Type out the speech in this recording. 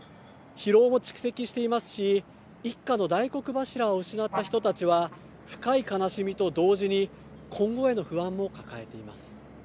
疲労も蓄積していますし一家の大黒柱を失った人たちは深い悲しみと同時に今後への不安も抱えています。